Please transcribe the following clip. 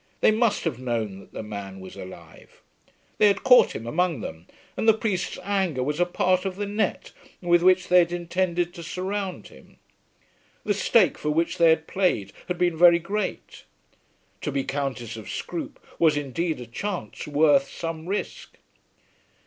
They must have known that the man was alive. They had caught him among them, and the priest's anger was a part of the net with which they had intended to surround him. The stake for which they had played had been very great. To be Countess of Scroope was indeed a chance worth some risk.